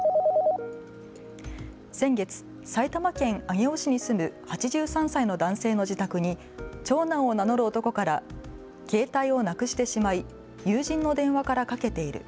先月、埼玉県上尾市に住む８３歳の男性の自宅に長男を名乗る男から携帯をなくしてしまい友人の電話からかけている。